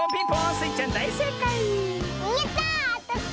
スイちゃんだいせいかい！